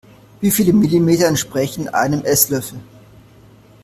Wie viele Milliliter entsprechen einem Esslöffel?